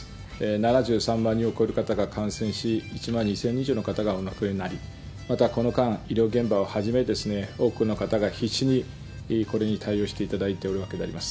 ７３万人を超える方が感染し、１万２０００人以上の方がお亡くなりになり、またこの間、医療現場をはじめ、多くの方が必死にこれに対応していただいておるわけであります。